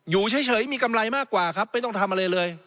อยู่เฉยมีกำไรมากกว่าครับไม่ต้องทำอะไรเลย